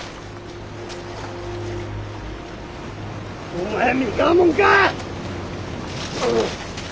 お前三河もんか！